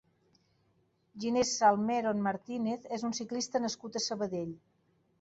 Ginés Salmerón Martínez és un ciclista nascut a Sabadell.